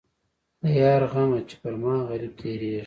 د یار غمه چې پر ما غريب تېرېږي.